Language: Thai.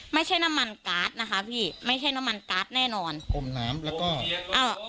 ไม่ใช่น้ำมันการ์ดนะคะพี่ไม่ใช่น้ำมันการ์ดแน่นอนอมน้ำแล้วก็อ้าว